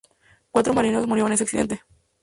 Cuatro marineros murieron en ese accidente.